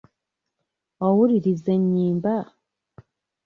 Owuliriza ennyimba?